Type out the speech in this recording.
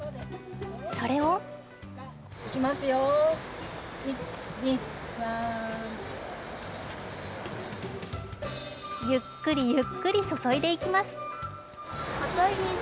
それをゆっくりゆっくり注いでいきます。